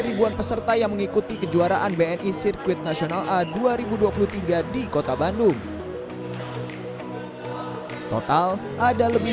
ribuan peserta yang mengikuti kejuaraan bni sirkuit nasional a dua ribu dua puluh tiga di kota bandung total ada lebih